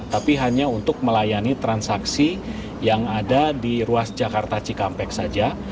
tapi hanya untuk melayani transaksi yang ada di ruas jakarta cikampek saja